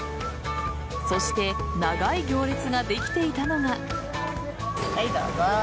そして長い行列ができていたのが。